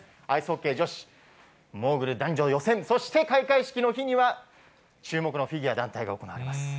アイスホッケー女子、モーグル男女予選、そして開会式の日には、注目のフィギュア団体が行われます。